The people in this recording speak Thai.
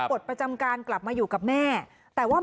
มีคนร้องบอกให้ช่วยด้วยก็เห็นภาพเมื่อสักครู่นี้เราจะได้ยินเสียงเข้ามาเลย